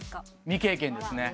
未経験ですね